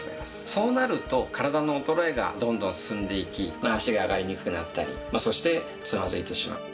そうなると体の衰えがどんどん進んでいき脚が上がりにくくなったりそしてつまずいてしまう。